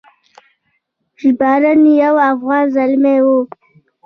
ژباړن یو افغان زلمی و.